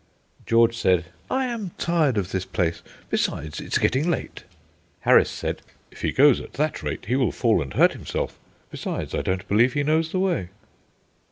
George said: "I am tired of this place. Besides, it's getting late." Harris said: "If he goes at that rate he will fall and hurt himself. Besides, I don't believe he knows the way."